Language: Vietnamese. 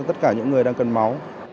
tất cả những người đang cần máu